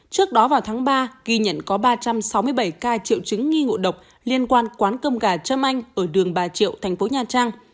trước đó vào tháng ba ghi nhận có ba trăm sáu mươi bảy ca triệu chứng nghi ngộ độc liên quan quán cơm gà trâm anh ở đường bà triệu thành phố nha trang